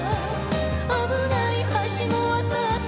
「危ない橋も渡った」